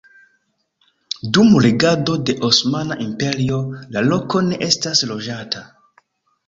Dum regado de Osmana Imperio la loko ne estis loĝata.